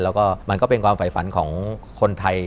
แล้วก็มันก็เป็นความฝ่ายฝันของคนไทย